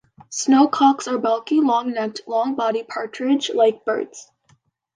Snowcocks are bulky, long-necked, long-bodied partridge-like birds.